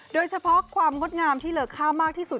โดยเฉพาะความงดงามที่เหลือค่ามากที่สุด